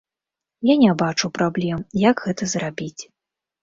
Я не бачу праблем, як гэта зрабіць.